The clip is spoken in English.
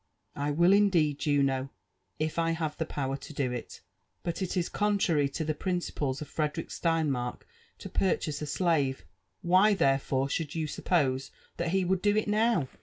*' I will indeed, Juno, if I have the power to do it. But it is con trary to the principles of Frederick Steinmark to purchase a slave — why therefore should you suppose that he would do it now